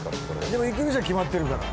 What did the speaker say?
でも行く店は決まってるから。